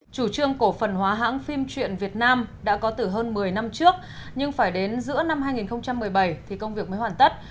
chủ trương cổ phần hóa hãng phim truyện việt nam đã có từ hơn một mươi năm trước nhưng phải đến giữa năm hai nghìn một mươi bảy thì công việc mới hoàn tất